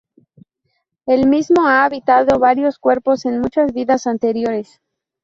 El mismo ha habitado varios cuerpos en muchas vidas anteriores.